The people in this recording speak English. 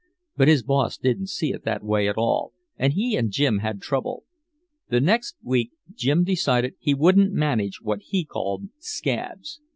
But his boss didn't see it that way at all, and he and Jim had trouble. The next week Jim decided he wouldn't manage what he called 'scabs.'